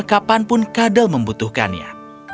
kapanpun kadal membutuhkannya